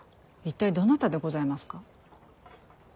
一体どなたでございますか。